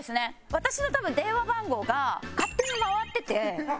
私の多分電話番号が勝手に回ってて。